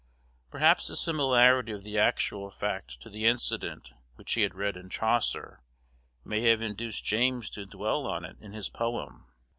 Perhaps the similarity of the actual fact to the incident which he had read in Chaucer may have induced James to dwell on it in his poem.